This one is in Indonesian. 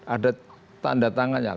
ada tanda tangannya